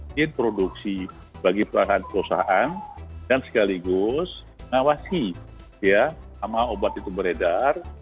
diproduksi bagi perusahaan dan sekaligus mengawasi ya sama obat itu beredar